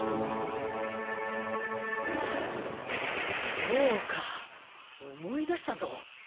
そうか思い出したぞ